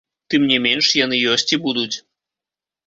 Тым не менш, яны ёсць і будуць.